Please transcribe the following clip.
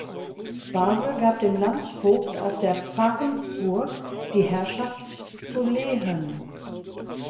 Basel gab dem Landvogt auf der Farnsburg die Herrschaft zu Lehen.